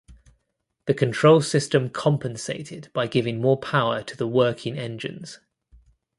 The control system compensated by giving more power to the working engines.